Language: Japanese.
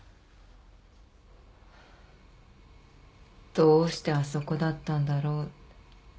どうしてあそこだったんだろう。